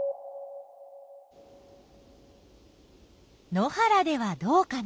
野原ではどうかな。